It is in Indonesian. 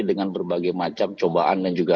dengan berbagai macam cobaan dan juga